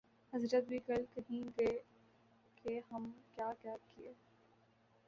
حضرت بھی کل کہیں گے کہ ہم کیا کیا کیے